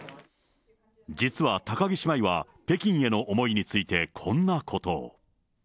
実は高木姉妹は北京への思いについてこんなことを。